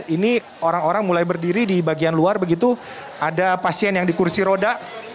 ini orang orang mulai berdiri di bagian luar begitu ada pasien yang di kursi roda